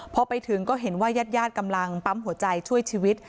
พอไปถึงก็เห็นว่ายาดกำลังปั๊มหัวใจช่วยชีวิต